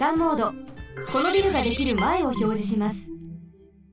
このビルができるまえをひょうじします。